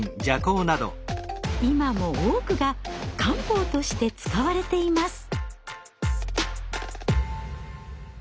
今も多くが漢方として使われています。